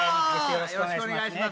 よろしくお願いします